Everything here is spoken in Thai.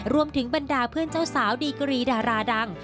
บรรดาเพื่อนเจ้าสาวดีกรีดาราดัง